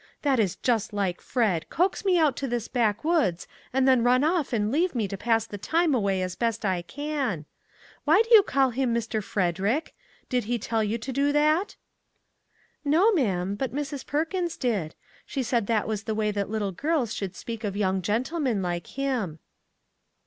That is just like Fred, coax me out to this backwoods and then run off and leave me to pass the time away as best I can. . Why do you call him ' Mr. Frederick '? Did he tell you to do that? " 188 PEAS AND PICNICS " No, ma'am ; but Mrs. Perkins did ; she said that was the way that little girls should speak of young gentlemen like him."